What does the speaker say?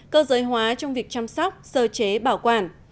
cơ giới hóa trong việc chăm sóc sơ chế bảo quản